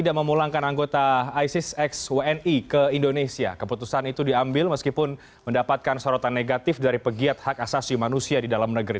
keputusan itu diambil meskipun mendapatkan sorotan negatif dari pegiat hak asasi manusia di dalam negeri